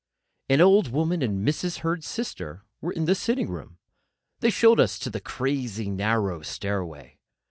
An old woman and Mrs. Herd's sister were in the sitting room; they showed us to the crazy, narrow stairway.